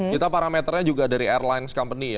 kita parameternya juga dari airlines company ya